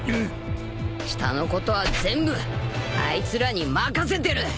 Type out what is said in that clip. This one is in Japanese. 下のことは全部あいつらに任せてる！